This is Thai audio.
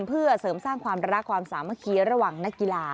เพื่อเสริมสร้างความรักความสามัคคีระหว่างนักกีฬา